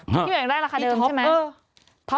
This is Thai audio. เมียวิวอยากได้ราคาเดิมใช่ไหมพี่เยอะอ๋อ